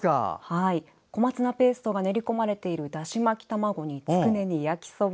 小松菜ペーストが練り込まれているだし巻き卵につくねに焼きそば。